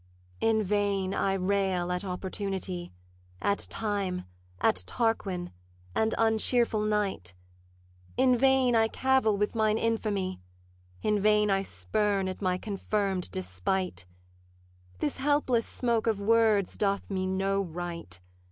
'In vain I rail at Opportunity, At Time, at Tarquin, and uncheerful Night; In vain I cavil with mine infamy, In vain I spurn at my confirm'd despite: This helpless smoke of words doth me no right.